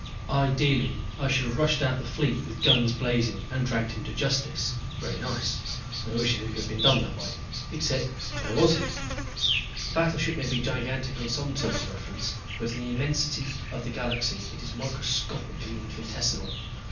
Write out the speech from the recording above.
Ideally I should have rushed out the fleet with guns blazing and dragged him to justice. Very nice, and I wished it could be done that way. Except where was he? A battleship may be gigantic on some terms of reference, but in the immensity of the galaxy it is microscopically infinitesimal.